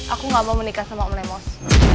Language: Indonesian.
aku gak mau menikah sama om lemos